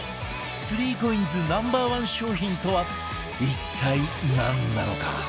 ３ＣＯＩＮＳＮｏ．１ 商品とは一体なんなのか？